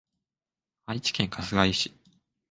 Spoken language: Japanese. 愛知県春日井市